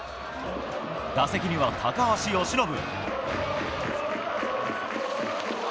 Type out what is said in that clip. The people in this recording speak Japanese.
打席には高橋由伸。